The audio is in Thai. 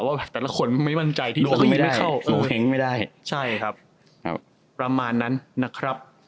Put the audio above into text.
ว่าแต่ละคนไม่มั่นใจที่จะเข้าโงเห้งไม่ได้ใช่ครับประมาณนั้นนะครับ